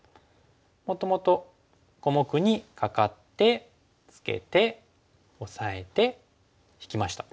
もともと小目にカカってツケてオサえて引きました。